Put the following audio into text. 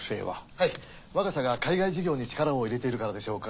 はい我が社が海外事業に力を入れているからでしょうか。